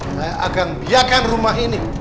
saya akan biarkan rumah ini